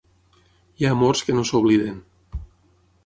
Hi ha amors que no s'obliden.